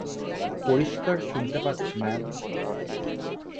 পরিষ্কার শুনতে পাচ্ছি, ম্যাম!